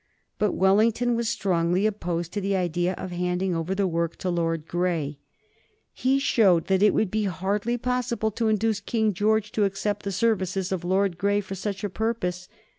But Wellington was strongly opposed to the idea of handing over the work to Lord Grey. He showed that it would be hardly possible to induce King George to accept the services of Lord Grey for such a purpose.